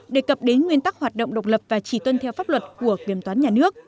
đề cập đến nguyên tắc hoạt động độc lập và chỉ tuân theo pháp luật của kiểm toán nhà nước